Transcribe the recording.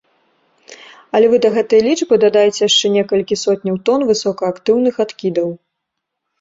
Але вы да гэтай лічбы дадайце яшчэ некалькі сотняў тон высокаактыўных адкідаў.